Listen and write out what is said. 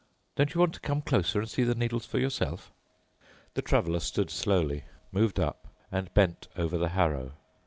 Don't you want to come closer and see the needles for yourself." The Traveler stood slowly, moved up, and bent over the harrow.